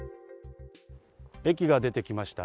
駅が出てきました。